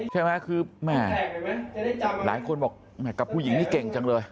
ใช่ไหมคือแม่หลายคนบอกกับผู้หญิงนี่เก่งจังเลย